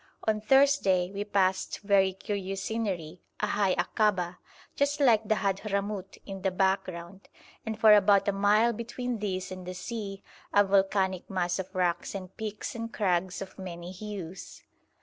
On Thursday we passed very curious scenery, a high akaba, just like the Hadhramout, in the background, and for about a mile between this and the sea a volcanic mass of rocks and peaks and crags of many hues.